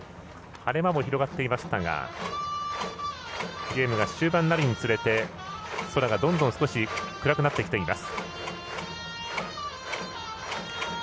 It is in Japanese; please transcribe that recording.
晴れ間も広がっていましたがゲームが終盤になるにつれて空がどんどん暗くなってきています。